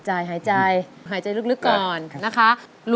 สวัสดีครับ